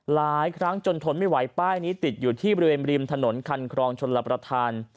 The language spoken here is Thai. หลายครั้งจนทนไม่ไหวป้ายนี้ติดอยู่ที่บริเวณริมถนนคันครองชนรับประทาน